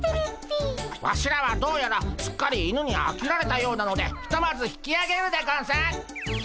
ワシらはどうやらすっかり犬にあきられたようなのでひとまず引きあげるでゴンス。